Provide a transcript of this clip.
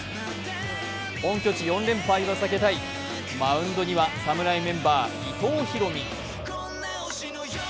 本拠地４連敗は避けたいマウンドには侍メンバー伊藤大海。